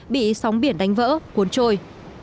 bị sóng biển đánh vỡ cuốn trôi